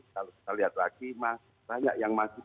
kalau kita lihat lagi banyak yang masih